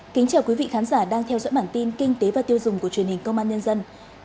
chào mừng quý vị đến với bản tin kinh tế và tiêu dùng của truyền hình công an nhân dân